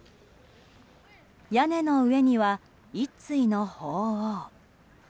屋根の上には１対の鳳凰。